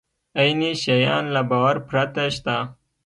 عیني شیان له باور پرته شته.